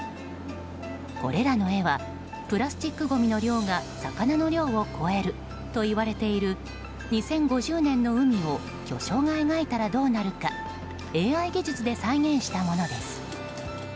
これらの絵はプラスチックごみの量が魚の量を超えるといわれている２０５０年の海を巨匠が描いたらどうなるかＡＩ技術で再現したものです。